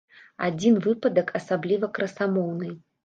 Адзін выпадак асабліва красамоўны.